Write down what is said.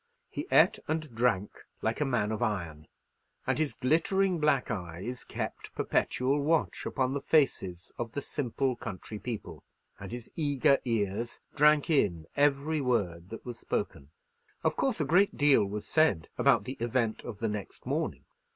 He ate and drank like a man of iron; and his glittering black eyes kept perpetual watch upon the faces of the simple country people, and his eager ears drank in every word that was spoken. Of course a great deal was said about the event of the next morning.